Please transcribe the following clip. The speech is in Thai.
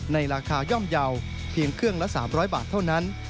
ในราคาย่อมเยาว์เพียงเครื่องละ๓๐๐บาทเท่านั้น